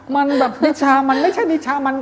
มันแบบนิชามันไม่ใช่นิชามัน